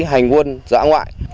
hành quân dã ngoại